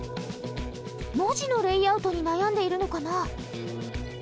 文字のレイアウトに悩んでいるのかな。